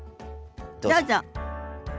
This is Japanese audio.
どうぞ。